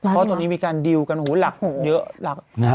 เพราะตอนนี้มีการดีลกันหลักเยอะหลัก